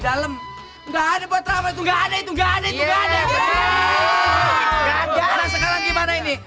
dalam enggak ada buat rapat itu enggak ada itu enggak ada itu nggak ada anak sekarang gimana ini